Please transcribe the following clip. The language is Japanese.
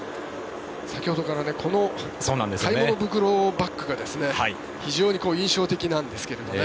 先ほどからこの買い物袋バッグが非常に印象的なんですけどね。